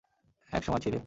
এক সময় ছিলে!